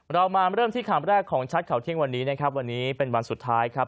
เรามาเริ่มที่คำแรกของชัดข่าวเที่ยงวันนี้นะครับวันนี้เป็นวันสุดท้ายครับ